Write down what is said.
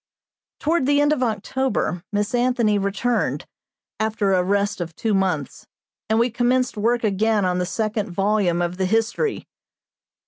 Toward the end of October, Miss Anthony returned, after a rest of two months, and we commenced work again on the second volume of the History.